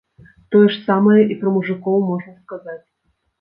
Тое ж самае і пра мужыкоў можна сказаць.